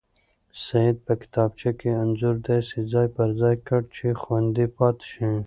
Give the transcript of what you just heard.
سعید په کتابچه کې انځور داسې ځای پر ځای کړ چې خوندي پاتې شي.